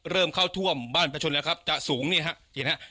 เริ่มเข้าท่วมบ้านประชนแล้วครับจะสูงนี่ฮะจีนฮะ